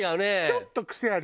ちょっとクセあるよね。